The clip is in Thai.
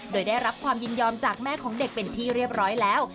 โดยได้รับความยินยอมจากแม่ของเด็กเป็นที่เรียบร้อยแล้ว